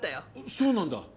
そうなんだ。